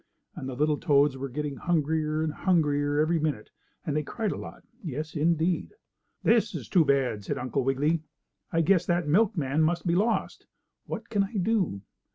And the little toads were getting hungrier and hungrier every minute and they cried a lot, yes, indeed! "This is too bad!" said Uncle Wiggily. "I guess that milkman must be lost. What can I do?